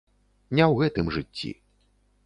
Не ў гэтым жыцці.